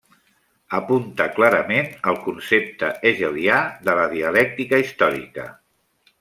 Apunta clarament al concepte hegelià de la dialèctica històrica.